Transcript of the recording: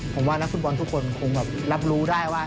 ผมว่านักฟุตบอลทุกคนคงรับรู้ได้ว่า